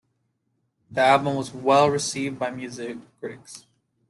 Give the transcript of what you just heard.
The album was well-received by music critics.